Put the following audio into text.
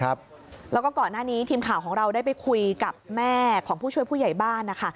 แล้วก็ก่อนหน้านี้ทีมข่าวของเราได้ไปคุยกับแม่ของผู้ช่วยผู้ใหญ่บ้านนะคะ